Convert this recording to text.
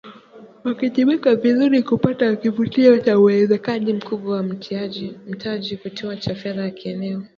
Wakijiweka vizuri kupata kivutio cha uwekezaji mkubwa wa mtaji wa kigeni na kufikia kuwa kituo cha fedha cha kieneo.